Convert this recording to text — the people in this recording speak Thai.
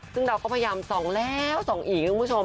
ซึ่งเราก็พยายามส่องแล้วส่องอีกคุณผู้ชม